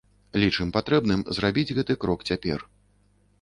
Лічым патрэбным зрабіць гэты крок цяпер.